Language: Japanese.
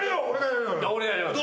俺がやります。